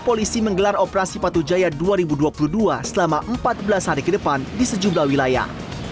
polisi menggelar operasi patu jaya dua ribu dua puluh dua selama empat belas hari ke depan di sejumlah wilayah